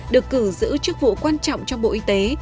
được cử giữ chức vụ quan trọng trong bộ y tế